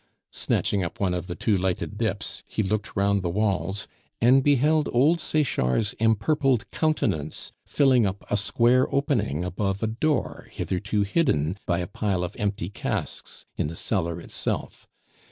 Snatching up one of the two lighted dips, he looked round the walls, and beheld old Sechard's empurpled countenance filling up a square opening above a door hitherto hidden by a pile of empty casks in the cellar itself.